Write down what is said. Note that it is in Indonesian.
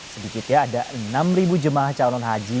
sedikitnya ada enam jemaah calon haji